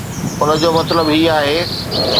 ان جو مطلب هي آهي